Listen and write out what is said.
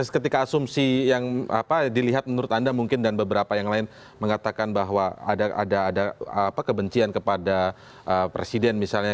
ketika asumsi yang dilihat menurut anda mungkin dan beberapa yang lain mengatakan bahwa ada kebencian kepada presiden misalnya